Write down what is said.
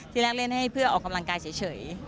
ที่แรกเล่นให้เพื่อออกกำลังกายเฉย